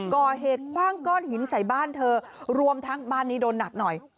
ก่อเหตุคว่างก้อนหินใส่บ้านเธอรวมทั้งบ้านนี้โดนหนักหน่อย